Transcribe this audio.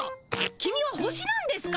キミは星なんですか。